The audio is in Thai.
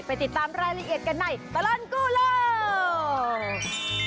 ติดตามรายละเอียดกันในตลอดกู้โลก